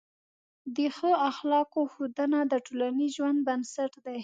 د ښه اخلاقو ښودنه د ټولنیز ژوند بنسټ دی.